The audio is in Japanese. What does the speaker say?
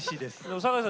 酒井さん